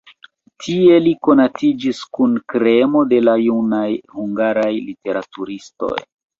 Tie li konatiĝis kun kremo de la junaj hungaraj literaturistoj.